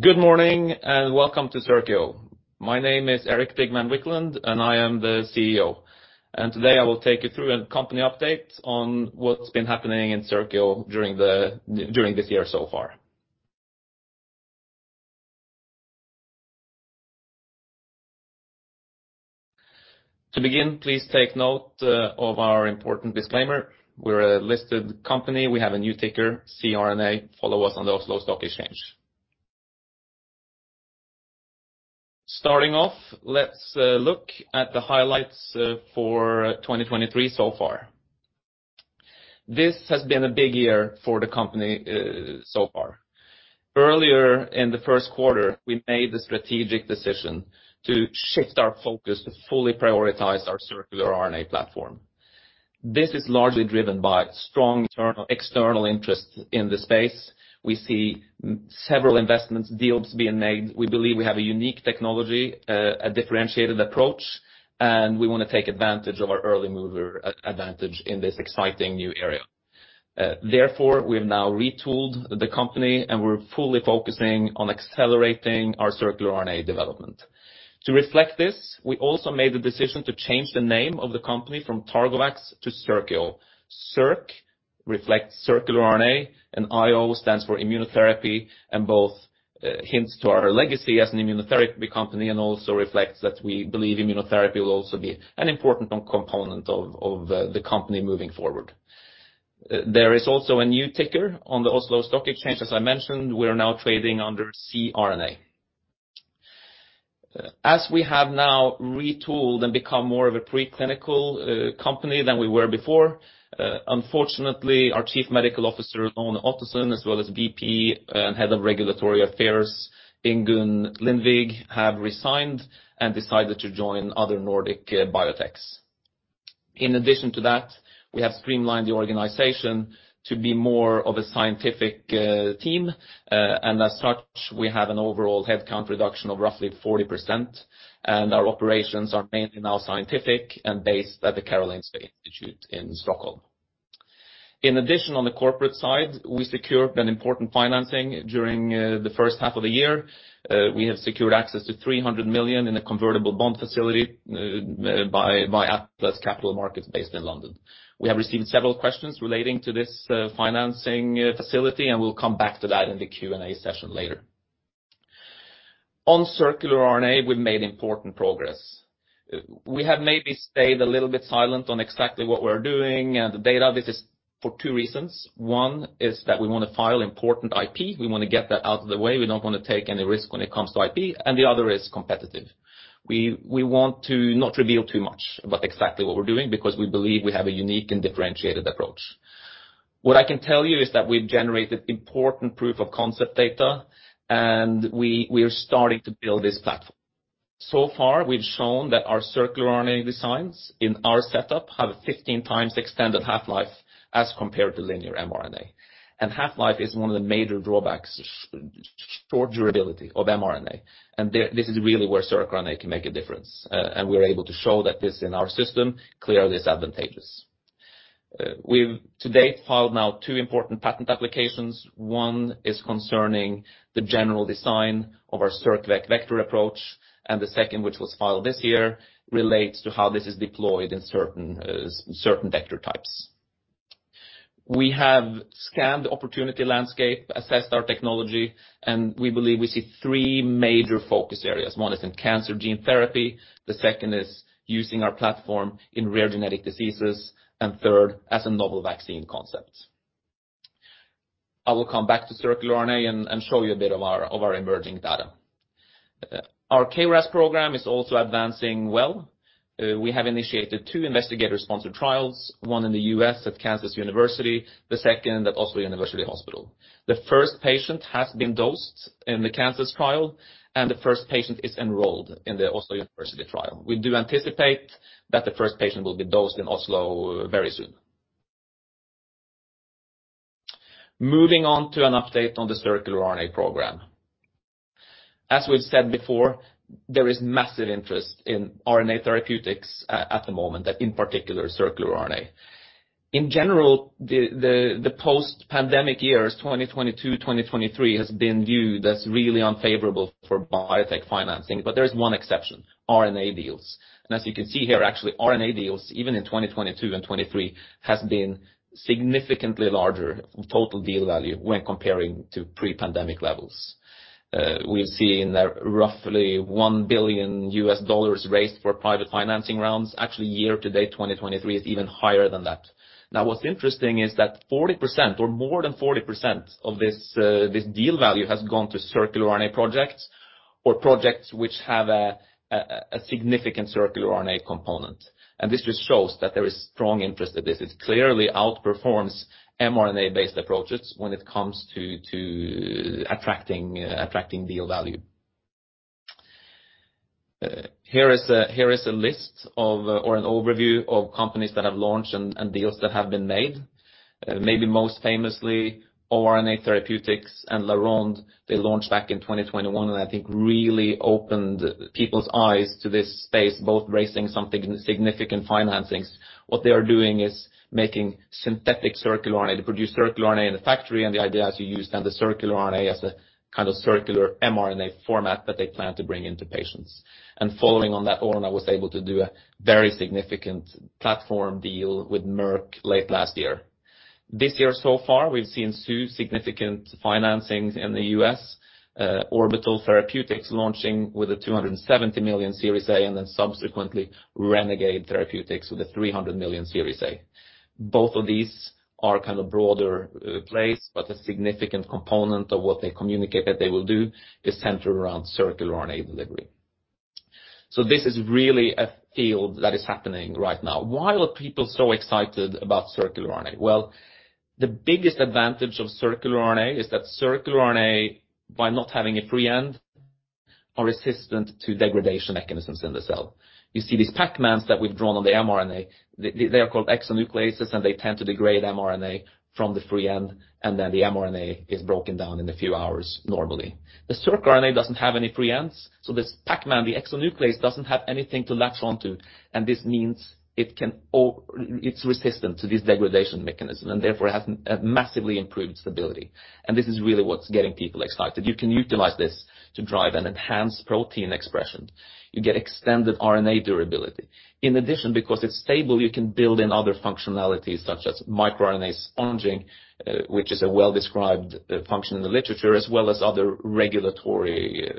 Good morning, welcome to Circio. My name is Erik Digman Wiklund, and I am the CEO. Today, I will take you through a company update on what's been happening in Circio during this year so far. To begin, please take note of our important disclaimer. We're a listed company. We have a new ticker, CRNA. Follow us on the Oslo Stock Exchange. Starting off, let's look at the highlights for 2023 so far. This has been a big year for the company so far. Earlier in the Q1, we made the strategic decision to shift our focus to fully prioritize our circular RNA platform. This is largely driven by strong internal, external interest in the space. We see several investments, deals being made. We believe we have a unique technology, a differentiated approach, and we want to take advantage of our early mover advantage in this exciting new area. Therefore, we have now retooled the company, and we're fully focusing on accelerating our circular RNA development. To reflect this, we also made the decision to change the name of the company from Targovax to Circio. Circ reflects circular RNA, and IO stands for immunotherapy, and both hints to our legacy as an immunotherapy company, and also reflects that we believe immunotherapy will also be an important component of the company moving forward. There is also a new ticker on the Oslo Stock Exchange. As I mentioned, we are now trading under CRNA. As we have now retooled and become more of a preclinical company than we were before, unfortunately, our Chief Medical Officer, Lone Ottesen, as well as VP and Head of Regulatory Affairs, Ingunn Lindvig, have resigned and decided to join other Nordic biotechs. In addition to that, we have streamlined the organization to be more of a scientific team, and as such, we have an overall headcount reduction of roughly 40%, and our operations are mainly now scientific and based at the Karolinska Institutet in Stockholm. In addition, on the corporate side, we secured an important financing during the first half of the year. We have secured access to 300 million in a convertible bond facility by Atlas Capital Markets, based in London. We have received several questions relating to this financing facility, and we'll come back to that in the Q&A session later. On circular RNA, we've made important progress. We have maybe stayed a little bit silent on exactly what we're doing and the data. This is for two reasons. One is that we want to file important IP. We want to get that out of the way. We don't want to take any risk when it comes to IP. The other is competitive. We want to not reveal too much about exactly what we're doing because we believe we have a unique and differentiated approach. What I can tell you is that we've generated important proof of concept data, and we are starting to build this platform. Far, we've shown that our circular RNA designs in our setup have a 15x extended half-life as compared to linear mRNA. Half-life is one of the major drawbacks, short durability of mRNA, and this is really where circular RNA can make a difference. We're able to show that this in our system clearly is advantageous. We've to date filed now two important patent applications. One is concerning the general design of our circVec vector approach, and the second, which was filed this year, relates to how this is deployed in certain vector types. We have scanned the opportunity landscape, assessed our technology, and we believe we see three major focus areas. One is in cancer gene therapy, the second is using our platform in rare genetic diseases, and third, as a novel vaccine concept. I will come back to circular RNA and show you a bit of our emerging data. Our KRAS program is also advancing well. We have initiated two investigator-sponsored trials, one in the U.S. at University of Kansas, the second at Oslo University Hospital. The first patient has been dosed in the University of Kansas trial. The first patient is enrolled in the Oslo University trial. We do anticipate that the first patient will be dosed in Oslo very soon. Moving on to an update on the circular RNA program. As we've said before, there is massive interest in RNA therapeutics at the moment, and in particular, circular RNA. In general, the post-pandemic years, 2022, 2023, has been viewed as really unfavorable for biotech financing. There is one exception, RNA deals. As you can see here, actually, RNA deals, even in 2022 and 2023, has been significantly larger total deal value when comparing to pre-pandemic levels. We've seen that roughly $1 billion raised for private financing rounds. Actually, year to date, 2023 is even higher than that. Now, what's interesting is that 40%, or more than 40% of this deal value has gone to circular RNA projects, or projects which have a significant circular RNA component. This just shows that there is strong interest in this. It clearly outperforms mRNA-based approaches when it comes to attracting deal value. Here is a list of, or an overview of companies that have launched and deals that have been made.... Maybe most famously, Orna Therapeutics and Laronde, they launched back in 2021, I think really opened people's eyes to this space, both raising something significant financings. What they are doing is making synthetic circular RNA. They produce circular RNA in a factory, the idea is to use then the circular RNA as a kind of circular mRNA format that they plan to bring into patients. Following on that, Orna was able to do a very significant platform deal with Merck late last year. This year so far, we've seen two significant financings in the US, Orbital Therapeutics launching with a $270 million Series A, subsequently, ReNAgade Therapeutics with a $300 million Series A. Both of these are kind of broader, place, but a significant component of what they communicate that they will do is centered around circular RNA delivery. This is really a field that is happening right now. Why are people so excited about circular RNA? The biggest advantage of circular RNA is that circular RNA, by not having a free end, are resistant to degradation mechanisms in the cell. You see these Pac-Mans that we've drawn on the mRNA, they are called exonucleases, and they tend to degrade mRNA from the free end, and then the mRNA is broken down in a few hours normally. The circRNA doesn't have any free ends, so this Pac-Man, the exonuclease, doesn't have anything to latch on to, and this means it's resistant to this degradation mechanism, and therefore has a massively improved stability. This is really what's getting people excited. You can utilize this to drive and enhance protein expression. You get extended RNA durability. In addition, because it's stable, you can build in other functionalities, such as micro-RNA sponging, which is a well-described function in the literature, as well as other regulatory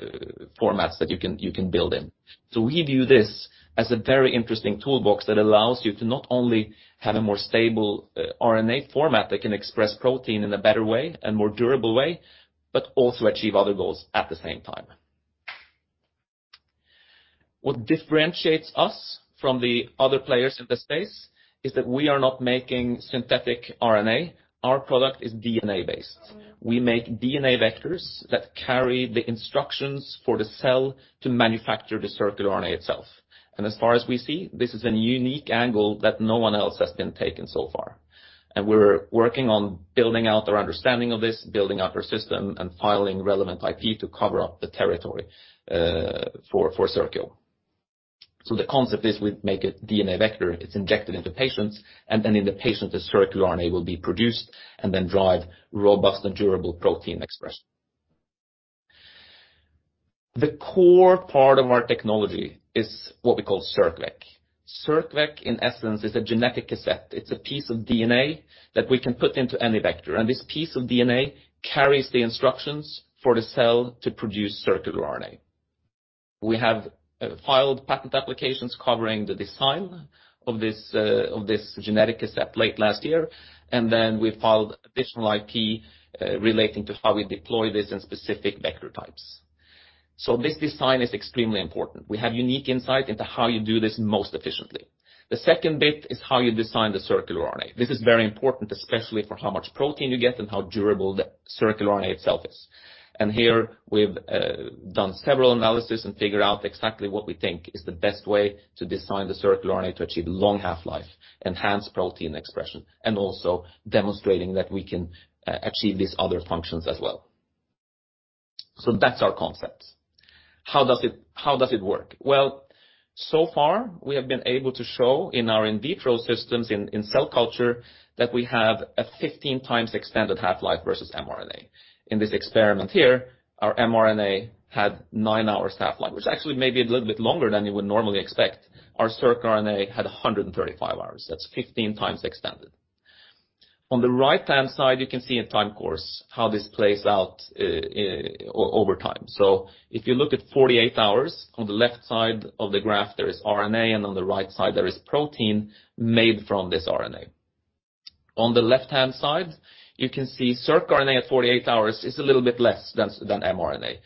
formats that you can build in. We view this as a very interesting toolbox that allows you to not only have a more stable RNA format that can express protein in a better way and more durable way, but also achieve other goals at the same time. What differentiates us from the other players in this space is that we are not making synthetic RNA. Our product is DNA-based. We make DNA vectors that carry the instructions for the cell to manufacture the circular RNA itself. As far as we see, this is a unique angle that no one else has been taking so far. We're working on building out our understanding of this, building out our system, and filing relevant IP to cover up the territory, for Circio. The concept is we make a DNA vector, it's injected into patients, and then in the patient, the circular RNA will be produced and then drive robust and durable protein expression. The core part of our technology is what we call circVec. circVec, in essence, is a genetic cassette. It's a piece of DNA that we can put into any vector, and this piece of DNA carries the instructions for the cell to produce circular RNA. We have filed patent applications covering the design of this of this genetic cassette late last year. Then we filed additional IP relating to how we deploy this in specific vector types. This design is extremely important. We have unique insight into how you do this most efficiently. The second bit is how you design the circular RNA. This is very important, especially for how much protein you get and how durable the circular RNA itself is. Here we've done several analysis and figured out exactly what we think is the best way to design the circular RNA to achieve long half-life, enhance protein expression, and also demonstrating that we can achieve these other functions as well. That's our concept. How does it work? Well, so far, we have been able to show in our in vitro systems in cell culture that we have a 15x expanded half-life versus mRNA. In this experiment here, our mRNA had nine hours half-life, which actually may be a little bit longer than you would normally expect. Our circRNA had 135 hours. That's 15x extended. On the right-hand side, you can see a time course, how this plays out over time. If you look at 48 hours, on the left side of the graph, there is RNA, and on the right side, there is protein made from this RNA. On the left-hand side, you can see circRNA at 48 hours is a little bit less than mRNA.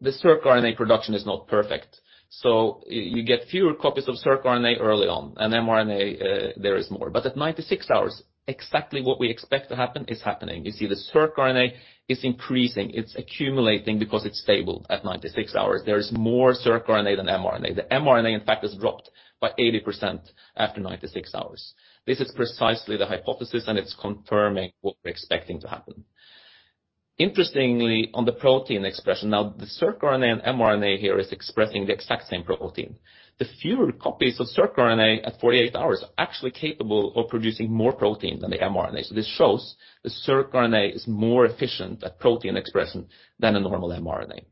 The circRNA production is not perfect, so you get fewer copies of circRNA early on, and mRNA, there is more. At 96 hours, exactly what we expect to happen is happening. You see the circRNA is increasing. It's accumulating because it's stable at 96 hours. There is more circRNA than mRNA. The mRNA, in fact, has dropped by 80% after 96 hours. This is precisely the hypothesis, and it's confirming what we're expecting to happen. Interestingly, on the protein expression, now, the circRNA and mRNA here is expressing the exact same protein. The fewer copies of circRNA at 48 hours are actually capable of producing more protein than the mRNA. This shows the circRNA is more efficient at protein expression than a normal mRNA.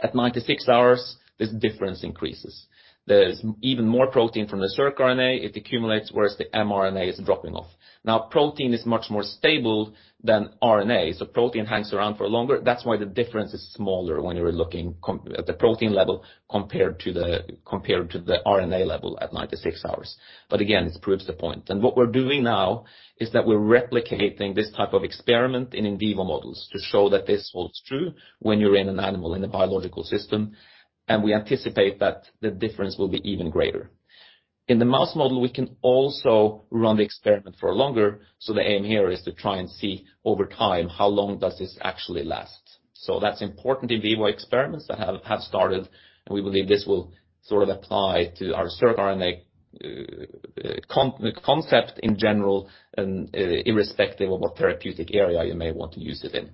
At 96 hours, this difference increases. There is even more protein from the circRNA, it accumulates, whereas the mRNA is dropping off. Now, protein is much more stable than RNA, so protein hangs around for longer. That's why the difference is smaller when you're looking at the protein level compared to the RNA level at 96 hours. Again, this proves the point. What we're doing now is that we're replicating this type of experiment in in vivo models to show that this holds true when you're in an animal in a biological system, and we anticipate that the difference will be even greater. In the mouse model, we can also run the experiment for longer, so the aim here is to try and see over time, how long does this actually last? That's important in vivo experiments that have started, and we believe this will sort of apply to our circRNA concept in general, and irrespective of what therapeutic area you may want to use it in.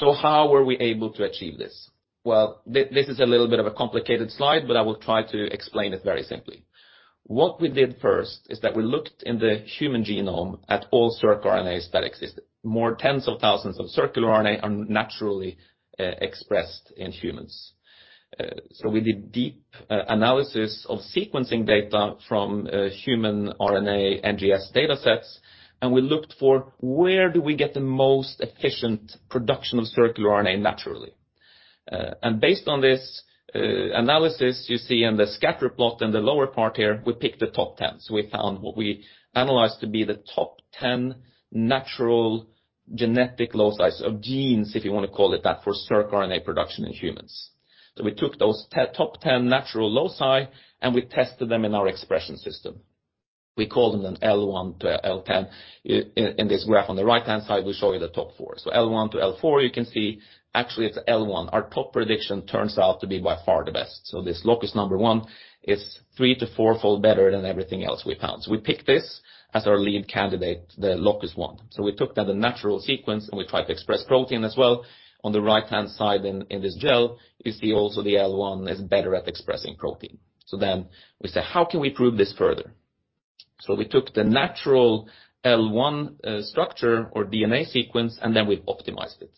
How were we able to achieve this? Well, this is a little bit of a complicated slide, but I will try to explain it very simply. What we did first is that we looked in the human genome at all circRNAs that existed. More tens of thousands of circular RNA are naturally expressed in humans. We did deep analysis of sequencing data from human RNA, NGS data sets, and we looked for where do we get the most efficient production of circular RNA naturally. Based on this analysis, you see in the scatter plot in the lower part here, we picked the top 10. We found what we analyzed to be the top 10 natural genetic loci of genes, if you want to call it that, for circRNA production in humans. We took those top 10 natural loci, and we tested them in our expression system. We call them an L1 to L10. In this graph on the right-hand side, we show you the top 4. L1 to L4, you can see actually it's L1. Our top prediction turns out to be by far the best. This locus number 1 is 3- to 4-fold better than everything else we found. We picked this as our lead candidate, the locus 1. We took that, the natural sequence, and we tried to express protein as well. On the right-hand side in this gel, you see also the L1 is better at expressing protein. We say, how can we prove this further? We took the natural L1 structure or DNA sequence, and then we optimized it.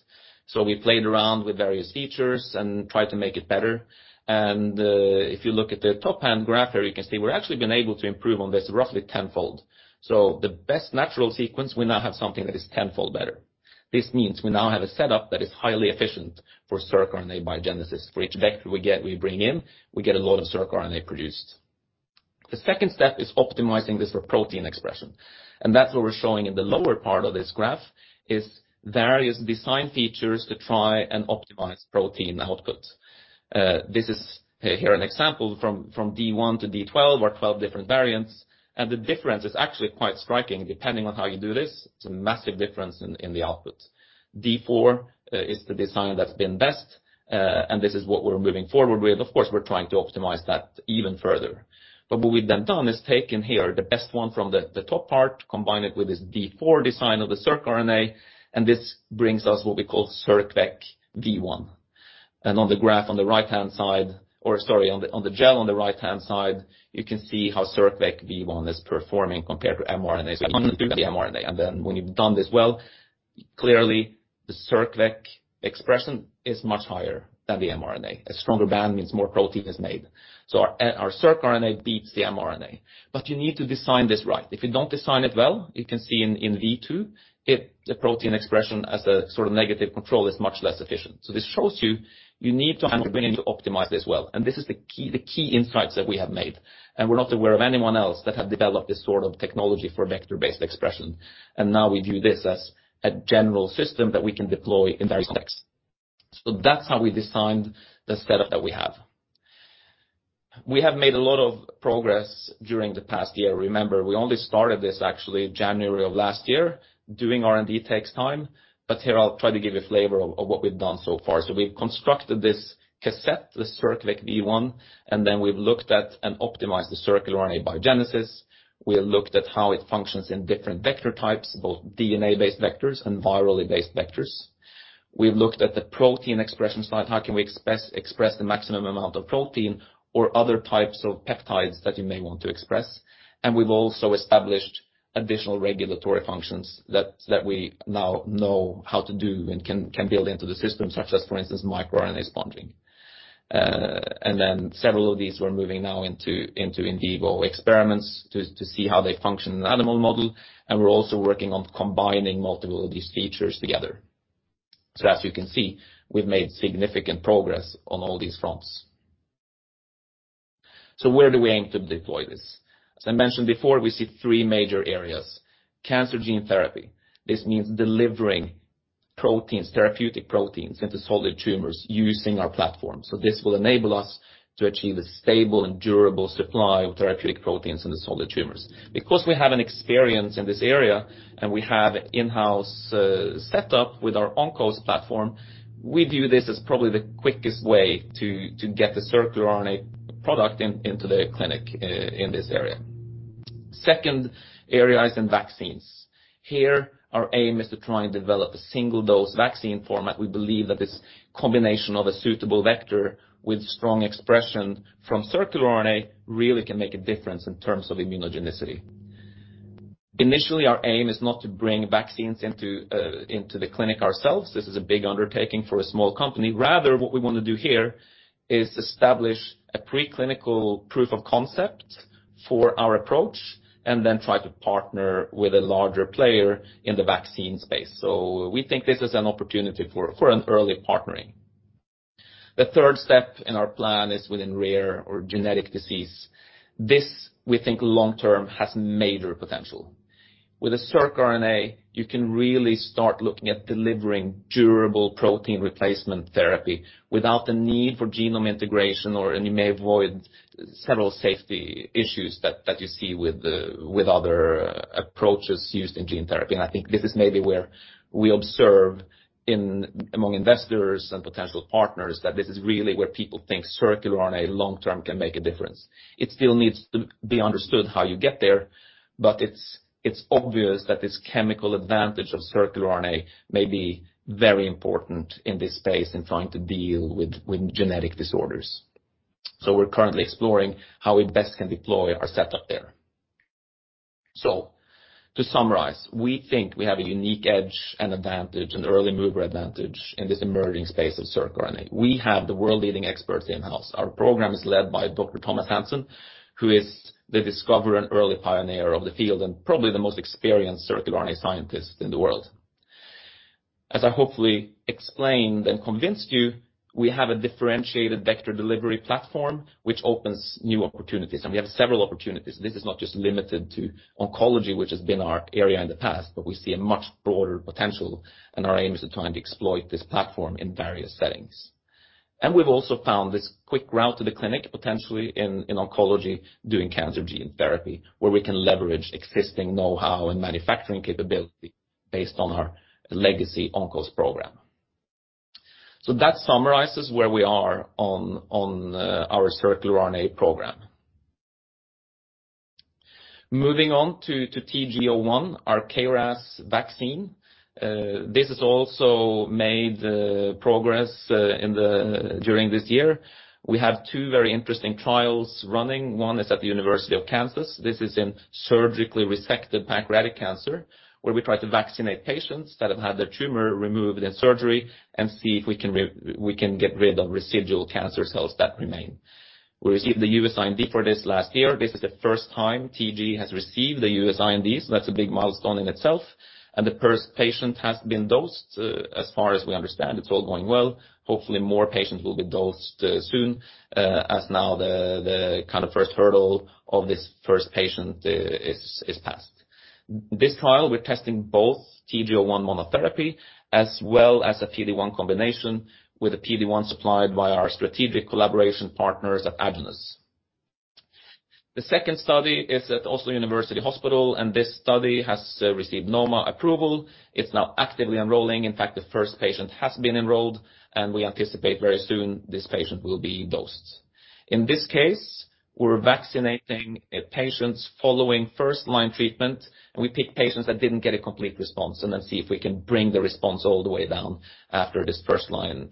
We played around with various features and tried to make it better. If you look at the top-hand graph here, you can see we're actually been able to improve on this roughly tenfold. The best natural sequence, we now have something that is tenfold better. This means we now have a setup that is highly efficient for circRNA biogenesis. For each vector we get, we bring in, we get a lot of circRNA produced. The second step is optimizing this for protein expression. That's what we're showing in the lower part of this graph, is various design features to try and optimize protein output. This is here an example from D1 to D12 or 12 different variants, and the difference is actually quite striking. Depending on how you do this, it's a massive difference in the output. D4 is the design that's been best, and this is what we're moving forward with. Of course, we're trying to optimize that even further. What we've then done is taken here the best one from the top part, combine it with this D4 design of the circRNA, and this brings us what we call circVec V1. On the graph on the right-hand side, or sorry, on the, on the gel on the right-hand side, you can see how circVec V1 is performing compared to mRNA. You can do the mRNA, and then when you've done this well, clearly, the circVec expression is much higher than the mRNA. A stronger band means more protein is made. Our circRNA beats the mRNA. You need to design this right. If you don't design it well, you can see in V2, it, the protein expression as a sort of negative control, is much less efficient. This shows you need to optimize this well. This is the key, the key insights that we have made, and we're not aware of anyone else that have developed this sort of technology for vector-based expression. Now we view this as a general system that we can deploy in various contexts. That's how we designed the setup that we have. We have made a lot of progress during the past year. Remember, we only started this actually January of last year. Doing R&D takes time, but here I'll try to give you a flavor of what we've done so far. We've constructed this cassette, the circVec V1, and then we've looked at and optimized the circular RNA biogenesis. We have looked at how it functions in different vector types, both DNA-based vectors and virally-based vectors. We've looked at the protein expression side, how can we express the maximum amount of protein or other types of peptides that you may want to express. We've also established additional regulatory functions that we now know how to do and can build into the system, such as, for instance, micro-RNA sponging. Then several of these we're moving now into in vivo experiments to see how they function in animal model, and we're also working on combining multiple of these features together. As you can see, we've made significant progress on all these fronts. Where do we aim to deploy this? As I mentioned before, we see three major areas. Cancer gene therapy. This means delivering proteins, therapeutic proteins into solid tumors using our platform. This will enable us to achieve a stable and durable supply of therapeutic proteins into solid tumors. Because we have an experience in this area and we have in-house setup with our ONCOS platform, we view this as probably the quickest way to get the circular RNA product in in this area. Second area is in vaccines. Here, our aim is to try and develop a single-dose vaccine format. We believe that this combination of a suitable vector with strong expression from circular RNA really can make a difference in terms of immunogenicity. Initially, our aim is not to bring vaccines into into the clinic ourselves. This is a big undertaking for a small company. Rather, what we want to do here is establish a preclinical proof of concept for our approach and then try to partner with a larger player in the vaccine space. We think this is an opportunity for an early partnering. The third step in our plan is within rare or genetic disease. This, we think long term, has major potential. With a circRNA, you can really start looking at delivering durable protein replacement therapy without the need for genome integration, or, and you may avoid several safety issues that you see with other approaches used in gene therapy. I think this is maybe where we observe among investors and potential partners, that this is really where people think circular RNA long term can make a difference. It still needs to be understood how you get there, but it's obvious that this chemical advantage of circular RNA may be very important in this space in trying to deal with genetic disorders. We're currently exploring how we best can deploy our setup there. To summarize, we think we have a unique edge and advantage, an early mover advantage in this emerging space of circRNA. We have the world-leading experts in-house. Our program is led by Dr. Thomas Hansen, who is the discoverer and early pioneer of the field, and probably the most experienced circRNA scientist in the world. As I hopefully explained and convinced you, we have a differentiated vector delivery platform, which opens new opportunities, and we have several opportunities. This is not just limited to oncology, which has been our area in the past, but we see a much broader potential, and our aim is to try and exploit this platform in various settings. We've also found this quick route to the clinic, potentially in oncology, doing cancer gene therapy, where we can leverage existing know-how and manufacturing capability based on our legacy ONCOS program. That summarizes where we are on our circRNA program. Moving on to TG01, our KRAS vaccine. This has also made progress during this year. We have two very interesting trials running. One is at the University of Kansas. This is in surgically resected pancreatic cancer, where we try to vaccinate patients that have had their tumor removed in surgery and see if we can get rid of residual cancer cells that remain. We received the U.S.IND for this last year. This is the first time TG has received a U.S. IND, that's a big milestone in itself, and the first patient has been dosed. As far as we understand, it's all going well. Hopefully, more patients will be dosed soon, as now the kind of first hurdle of this first patient is passed. This trial, we're testing both TG-01 monotherapy as well as a PD-1 combination, with a PD-1 supplied by our strategic collaboration partners at Aduro. The second study is at Oslo University Hospital. This study has received NoMA approval. It's now actively enrolling. In fact, the first patient has been enrolled. We anticipate very soon this patient will be dosed. In this case, we're vaccinating patients following first-line treatment. We pick patients that didn't get a complete response. See if we can bring the response all the way down after this first-line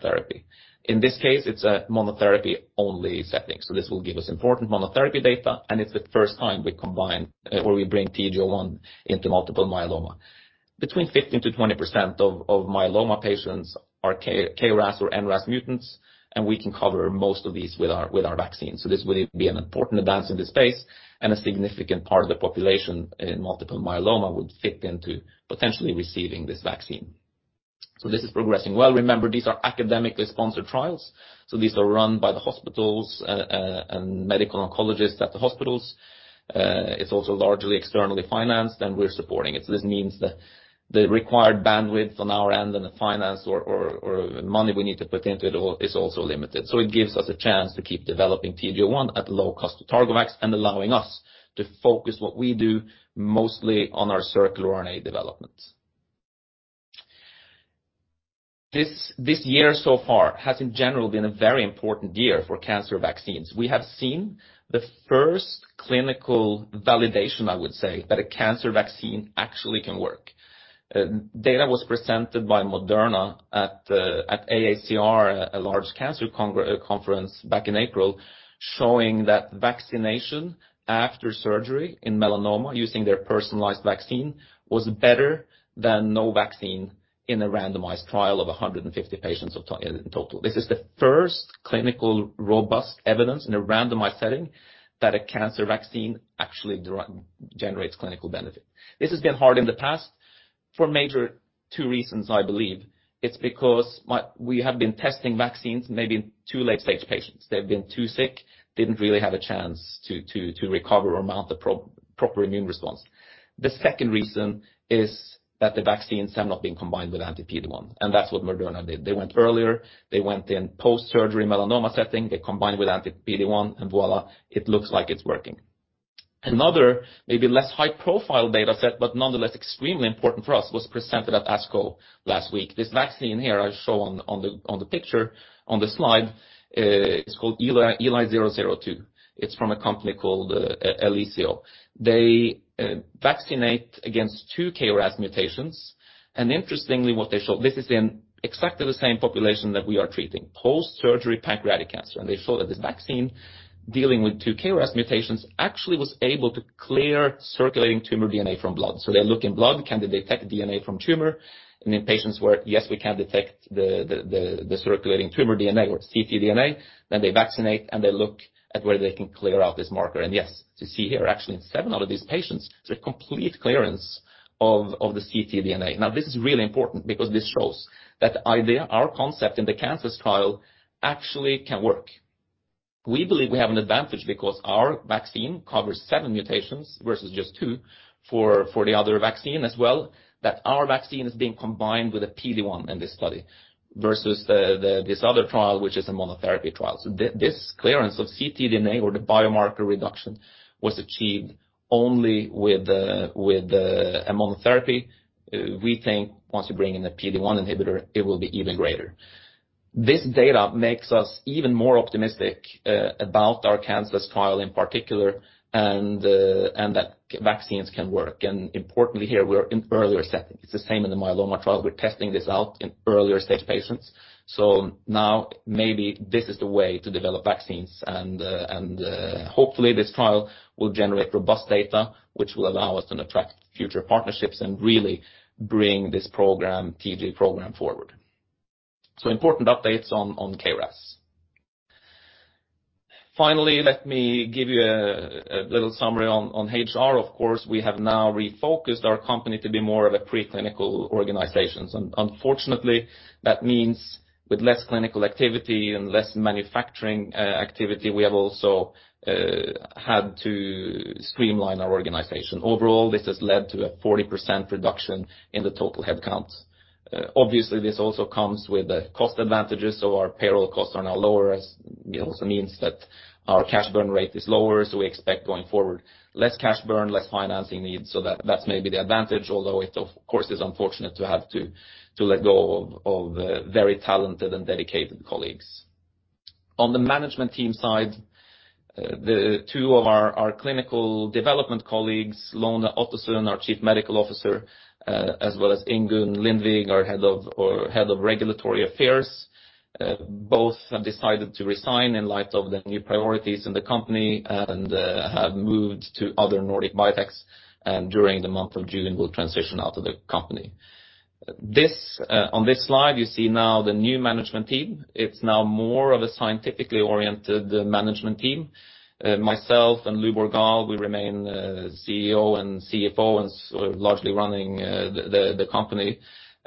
therapy. In this case, it's a monotherapy-only setting. This will give us important monotherapy data. It's the first time we combine, or we bring TG-01 into multiple myeloma. Between 15% to 20% of myeloma patients are KRAS or NRAS mutants, and we can cover most of these with our vaccine. This will be an important advance in this space, and a significant part of the population in multiple myeloma would fit into potentially receiving this vaccine. This is progressing well. Remember, these are academically sponsored trials, so these are run by the hospitals and medical oncologists at the hospitals. It's also largely externally financed, and we're supporting it. This means that the required bandwidth on our end, and the finance or money we need to put into it, is also limited. It gives us a chance to keep developing TG-01 at low cost to Targovax and allowing us to focus what we do mostly on our circRNA development. This year so far has, in general, been a very important year for cancer vaccines. We have seen the first clinical validation, I would say, that a cancer vaccine actually can work. Data was presented by Moderna at AACR, a large cancer conference back in April, showing that vaccination after surgery in melanoma, using their personalized vaccine, was better than no vaccine in a randomized trial of 150 patients in total. This is the first clinical robust evidence in a randomized setting that a cancer vaccine actually generates clinical benefit. This has been hard in the past for major two reasons, I believe. It's because we have been testing vaccines, maybe in too late-stage patients. They've been too sick, didn't really have a chance to recover or mount the proper immune response. The second reason is that the vaccines have not been combined with anti-PD-1. That's what Moderna did. They went earlier, they went in post-surgery melanoma setting, they combined with anti-PD-1, voila, it looks like it's working. Another maybe less high-profile data set, but nonetheless extremely important for us, was presented at ASCO last week. This vaccine here I show on the picture, on the slide, is called ELI-002. It's from a company called Elicio. They vaccinate against two KRAS mutations. Interestingly, what they showed, this is in exactly the same population that we are treating, post-surgery pancreatic cancer. They showed that this vaccine, dealing with two KRAS mutations, actually was able to clear circulating tumor DNA from blood. They look in blood, can they detect DNA from tumor? In patients where, yes, we can detect the circulating tumor DNA or ctDNA, then they vaccinate, and they look at whether they can clear out this marker. Yes, you see here, actually, in seven out of these patients, there's a complete clearance of the ctDNA. This is really important because this shows that the idea, our concept in the cancer trial actually can work. We believe we have an advantage because our vaccine covers seven mutations versus just two for the other vaccine, as well, that our vaccine is being combined with a PD-1 in this study, versus this other trial, which is a monotherapy trial. This clearance of ctDNA or the biomarker reduction was achieved only with the monotherapy. We think once you bring in the PD-1 inhibitor, it will be even greater. This data makes us even more optimistic about our cancer trial in particular, and that vaccines can work. Importantly, here, we are in earlier setting. It's the same in the myeloma trial. We're testing this out in earlier stage patients. Now maybe this is the way to develop vaccines, hopefully this trial will generate robust data, which will allow us to attract future partnerships and really bring this program, TG program forward. Important updates on KRAS. Finally, let me give you a little summary on HR. Of course, we have now refocused our company to be more of a preclinical organizations, and unfortunately, that means with less clinical activity and less manufacturing activity, we have also had to streamline our organization. Overall, this has led to a 40% reduction in the total headcounts. Obviously, this also comes with the cost advantages, our payroll costs are now lower, as it also means that our cash burn rate is lower. We expect going forward, less cash burn, less financing needs, that's maybe the advantage, although it, of course, is unfortunate to have to let go of very talented and dedicated colleagues. On the management team side, the two of our clinical development colleagues, Lone Ottesen, our Chief Medical Officer, as well as Ingunn Lindvig, our Head of Regulatory Affairs, both have decided to resign in light of the new priorities in the company and have moved to other Nordic biotechs, and during the month of June, will transition out of the company. On this slide, you see now the new management team. It's now more of a scientifically oriented management team. Myself and Lubor Gaal, we remain CEO and CFO, and so largely running the company.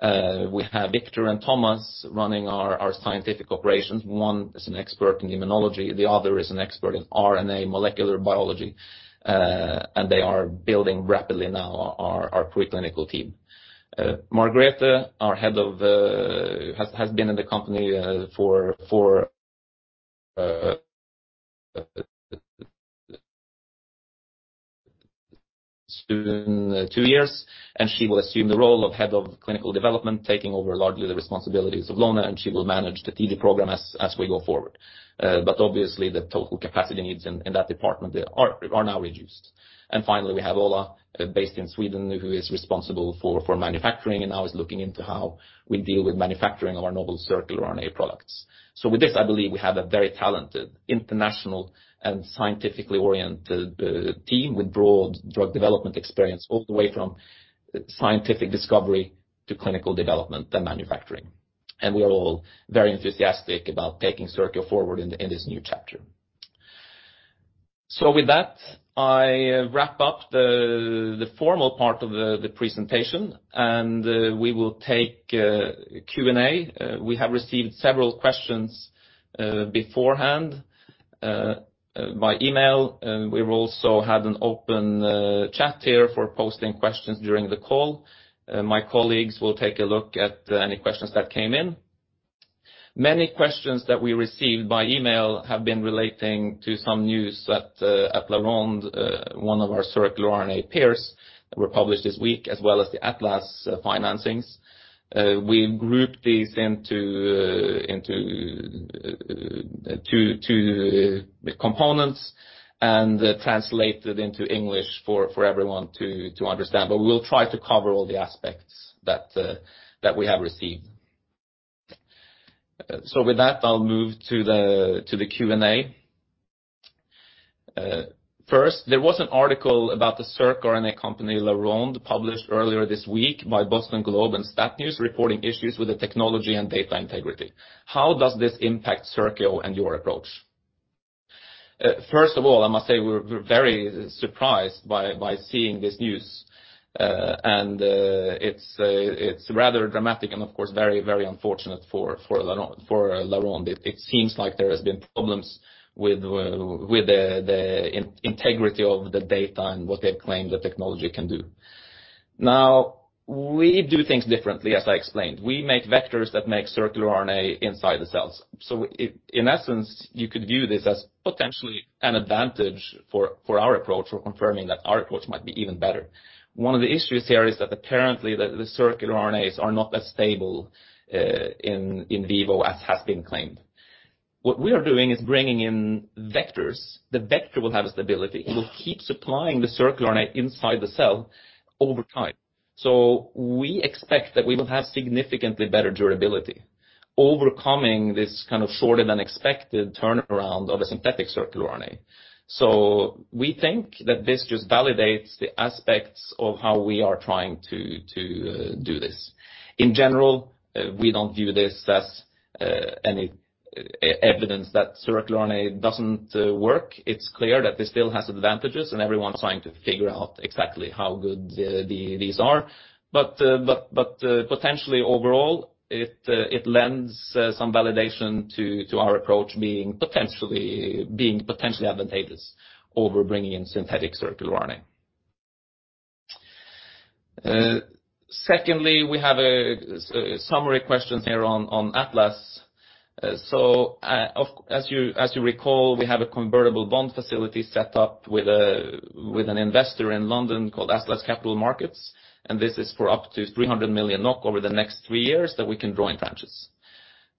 We have Victor and Thomas running our scientific operations. One is an expert in immunology, the other is an expert in RNA molecular biology, and they are building rapidly now our preclinical team. Margrethe, our head of, has been in the company for soon two years, and she will assume the role of head of clinical development, taking over largely the responsibilities of Lone Ottesen, and she will manage the TD program as we go forward. Obviously, the total capacity needs in that department are now reduced. Finally, we have Ola, based in Sweden, who is responsible for manufacturing, and now is looking into how we deal with manufacturing of our novel circular RNA products. With this, I believe we have a very talented, international, and scientifically oriented team with broad drug development experience, all the way from scientific discovery to clinical development and manufacturing. We are all very enthusiastic about taking Circio forward in this new chapter. With that, I wrap up the formal part of the presentation, and we will take Q&A. We have received several questions beforehand by email, and we've also had an open chat here for posting questions during the call. My colleagues will take a look at any questions that came in. Many questions that we received by email have been relating to some news at Laronde, one of our circular RNA peers, that were published this week, as well as the Atlas financings. We grouped these into two components and translated into English for everyone to understand. We'll try to cover all the aspects that we have received. With that, I'll move to the Q&A. First, there was an article about the circRNA company, Laronde, published earlier this week by The Boston Globe and Stat News, reporting issues with the technology and data integrity. How does this impact Circio and your approach? First of all, I must say we're very surprised by seeing this news, and it's very dramatic and of course, very unfortunate for Laronde. It seems like there has been problems with the integrity of the data and what they've claimed the technology can do. We do things differently, as I explained. We make vectors that make circular RNA inside the cells. In essence, you could view this as potentially an advantage for our approach, for confirming that our approach might be even better. One of the issues here is that apparently the circular RNAs are not as stable in vivo as has been claimed. What we are doing is bringing in vectors. The vector will have a stability. It will keep supplying the circular RNA inside the cell over time. We expect that we will have significantly better durability, overcoming this kind of shorter than expected turnaround of a synthetic circular RNA. We think that this just validates the aspects of how we are trying to do this. In general, we don't view this as any evidence that circular RNA doesn't work. It's clear that this still has advantages, and everyone's trying to figure out exactly how good these are. Potentially overall, it lends some validation to our approach being potentially advantageous over bringing in synthetic circular RNA. Secondly, we have a summary question here on Atlas. So, as you recall, we have a convertible bond facility set up with an investor in London called Atlas Capital Markets. This is for up to 300 million NOK over the next three years that we can draw in branches.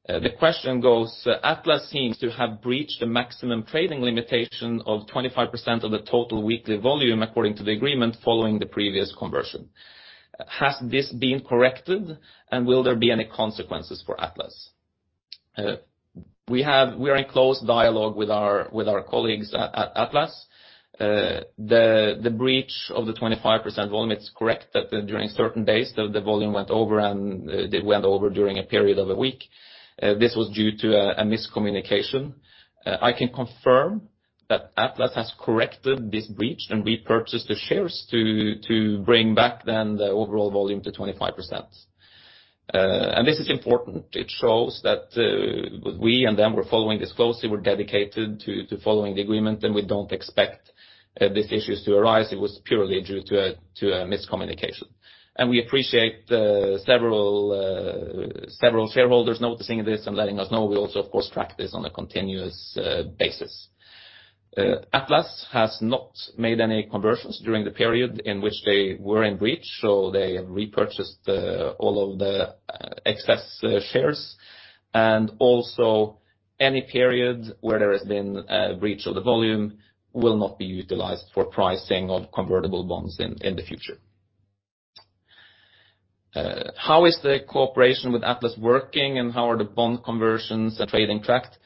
The question goes: Atlas seems to have breached the maximum trading limitation of 25% of the total weekly volume, according to the agreement following the previous conversion. Has this been corrected, and will there be any consequences for Atlas? We are in close dialogue with our colleagues at Atlas. The breach of the 25% volume, it's correct that during certain days, the volume went over, and it went over during a period of a week. This was due to miscommunication. I can confirm that Atlas has corrected this breach and repurchased the shares to bring back then the overall volume to 25%. This is important. It shows that we and them, we're following this closely. We're dedicated to following the agreement, and we don't expect these issues to arise. It was purely due to a miscommunication. We appreciate the several shareholders noticing this and letting us know. We also, of course, track this on a continuous basis. Atlas has not made any conversions during the period in which they were in breach, so they have repurchased all of the excess shares, and also any period where there has been a breach of the volume will not be utilized for pricing of convertible bonds in the future. How is the cooperation with Atlas working, and how are the bond conversions and trading tracked?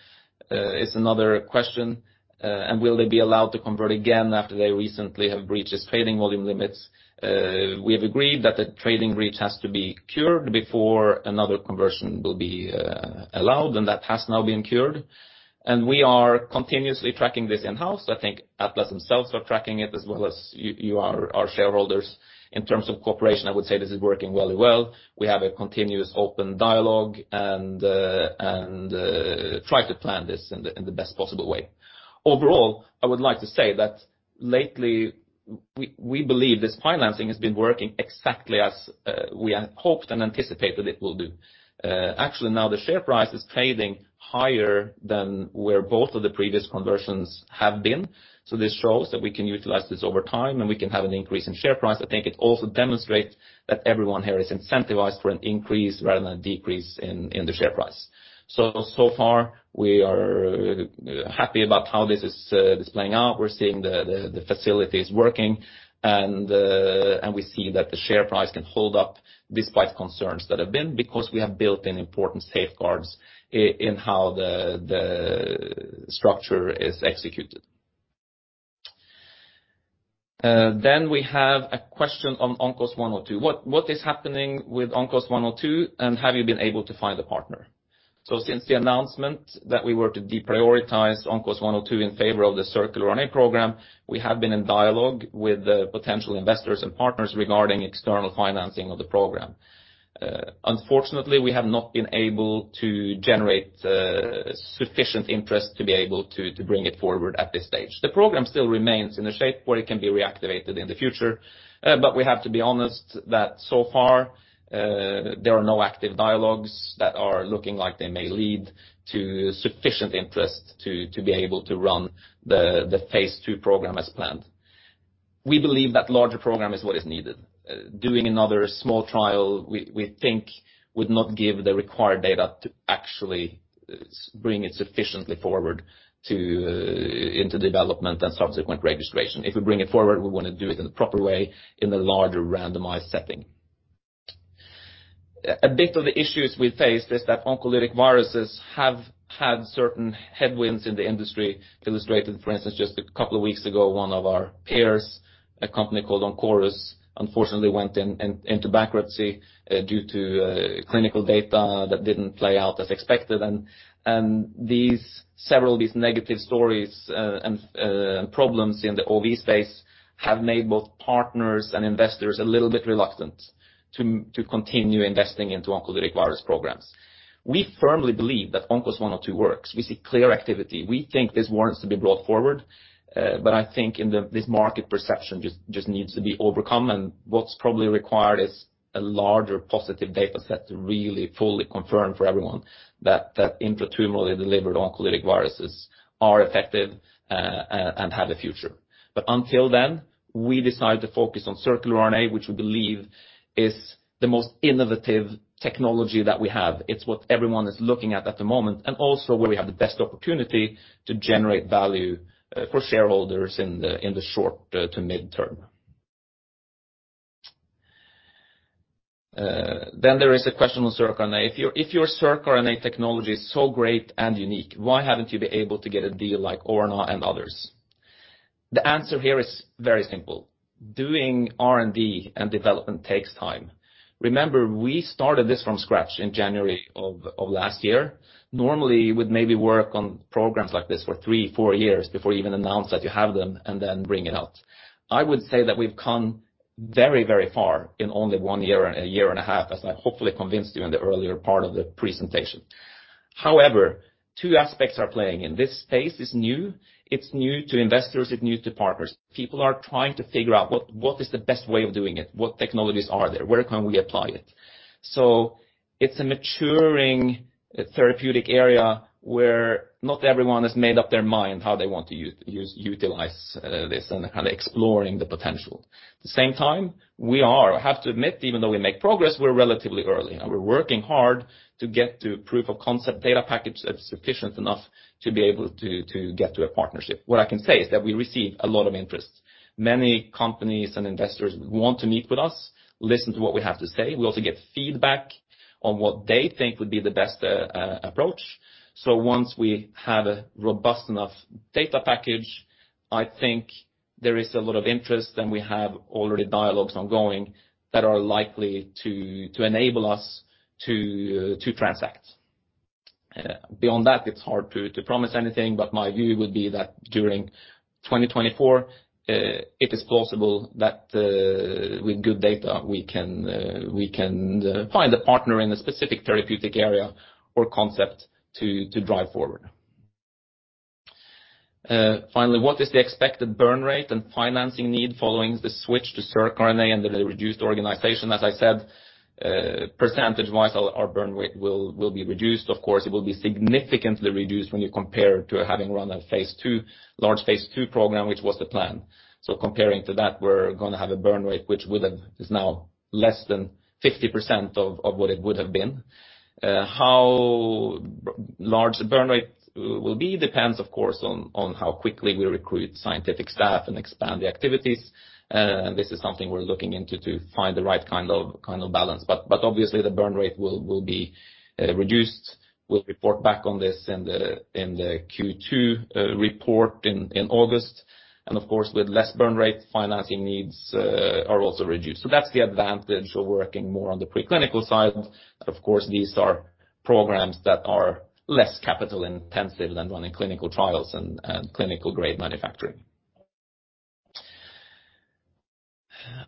Is another question. And will they be allowed to convert again after they recently have breached its trading volume limits? We have agreed that the trading breach has to be cured before another conversion will be allowed, and that has now been cured. We are continuously tracking this in-house. I think Atlas themselves are tracking it as well as you are our shareholders. In terms of cooperation, I would say this is working very well. We have a continuous open dialogue and try to plan this in the best possible way. Overall, I would like to say that lately, we believe this financing has been working exactly as we had hoped and anticipated it will do. Actually, now the share price is trading higher than where both of the previous conversions have been. This shows that we can utilize this over time, and we can have an increase in share price. I think it also demonstrates that everyone here is incentivized for an increase rather than a decrease in the share price. So far, we are happy about how this is playing out. We're seeing the facilities working, and we see that the share price can hold up despite concerns that have been, because we have built in important safeguards in how the structure is executed. Then we have a question on ONCOS-102. What is happening with ONCOS-102, and have you been able to find a partner? Since the announcement that we were to deprioritize ONCOS-102 in favor of the circular RNA program, we have been in dialogue with the potential investors and partners regarding external financing of the program. Unfortunately, we have not been able to generate sufficient interest to bring it forward at this stage. The program still remains in a shape where it can be reactivated in the future, but we have to be honest that so far, there are no active dialogues that are looking like they may lead to sufficient interest to be able to run the phase II program as planned. We believe that larger program is what is needed. Doing another small trial, we think, would not give the required data to actually bring it sufficiently forward into development and subsequent registration. If we bring it forward, we want to do it in the proper way, in a larger randomized setting. A bit of the issues we face is that oncolytic viruses have had certain headwinds in the industry, illustrated, for instance, just a couple of weeks ago, one of our peers, a company called Oncorus, unfortunately went into bankruptcy due to clinical data that didn't play out as expected. Several of these negative stories and problems in the OV space have made both partners and investors a little bit reluctant to continue investing into oncolytic virus programs. We firmly believe that ONCOS-102 works. We see clear activity. We think this warrants to be brought forward, but I think this market perception just needs to be overcome, and what's probably required is a larger positive data set to really fully confirm for everyone that intratumorally delivered oncolytic viruses are effective and have a future. Until then, we decide to focus on circular RNA, which we believe is the most innovative technology that we have. It's what everyone is looking at at the moment, and also where we have the best opportunity to generate value for shareholders in the short to midterm. There is a question on circRNA: If your circRNA technology is so great and unique, why haven't you been able to get a deal like Orna and others? The answer here is very simple. Doing R&D and development takes time. Remember, we started this from scratch in January of last year. Normally, you would maybe work on programs like this for three, four years before you even announce that you have them and then bring it out. I would say that we've come very, very far in only one year and a year and a half, as I hopefully convinced you in the earlier part of the presentation. However, two aspects are playing in. This space is new. It's new to investors, it's new to partners. People are trying to figure out what is the best way of doing it? What technologies are there? Where can we apply it? So it's a maturing therapeutic area where not everyone has made up their mind how they want to utilize this and kind of exploring the potential. At the same time, we are, I have to admit, even though we make progress, we're relatively early, and we're working hard to get to proof of concept data package that's sufficient enough to be able to get to a partnership. What I can say is that we receive a lot of interest. Many companies and investors want to meet with us, listen to what we have to say. We also get feedback on what they think would be the best approach. Once we have a robust enough data package, I think there is a lot of interest, and we have already dialogues ongoing that are likely to enable us to transact. Beyond that, it's hard to promise anything, but my view would be that during 2024, it is plausible that with good data, we can find a partner in a specific therapeutic area or concept to drive forward. Finally, what is the expected burn rate and financing need following the switch to circRNA and the reduced organization? As I said, percentage-wise, our burn rate will be reduced. Of course, it will be significantly reduced when you compare it to having run a phase II, large phase II program, which was the plan. Comparing to that, we're gonna have a burn rate, which would have is now less than 50% of what it would have been. How large the burn rate will be depends, of course, on how quickly we recruit scientific staff and expand the activities. This is something we're looking into to find the right kind of balance. Obviously, the burn rate will be reduced. We'll report back on this in the Q2 report in August. Of course, with less burn rate, financing needs are also reduced. That's the advantage of working more on the preclinical side. Of course, these are programs that are less capital intensive than running clinical trials and clinical grade manufacturing.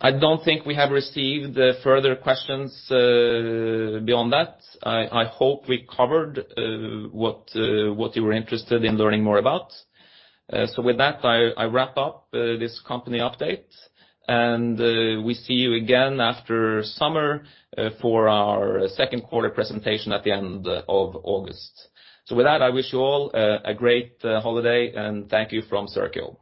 I don't think we have received further questions beyond that. I hope we covered what you were interested in learning more about. With that, I wrap up this company update, and we see you again after summer for our Q2 presentation at the end of August. With that, I wish you all a great holiday, and thank you from Circio.